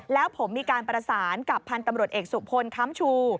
แล้วผมมีการประสานกับพันธุ์ตำรวจเอกสุพลค้ำชู